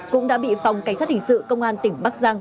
cũng đã bị phòng cảnh sát hình sự công an tỉnh bắc giang